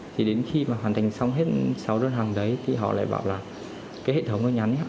thì đến khi mà hoàn thành xong hết sáu đơn hàng đấy thì họ lại bảo là cái hệ thống nó nhắn hết